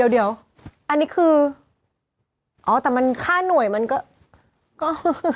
เดี๋ยวอันนี้คืออ๋อแต่มันค่าหน่วยมันก็ก็คือ